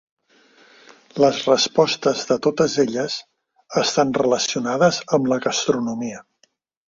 Les respostes de totes elles estan relacionades amb la gastronomia.